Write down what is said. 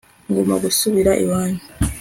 ngomba gusubira iwanyu